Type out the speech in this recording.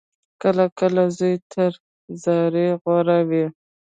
کله کله زور تر زارۍ غوره وي.